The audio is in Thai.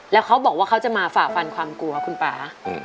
แล้วเขาบอกว่าเขาจะมาฝ่าฟันความกลัวคุณป่า